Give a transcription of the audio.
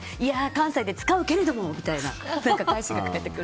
関西で使うけれどもみたいな。